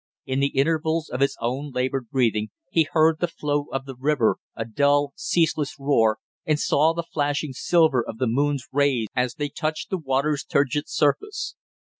In the intervals of his own labored breathing, he heard the flow of the river, a dull ceaseless roar, and saw the flashing silver of the moon's rays as they touched the water's turgid surface.